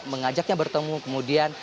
mengajaknya bertemu kemudian